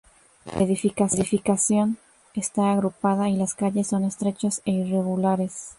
La edificación está agrupada y las calles son estrechas e irregulares.